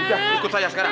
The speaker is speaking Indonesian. udah ikut saya sekarang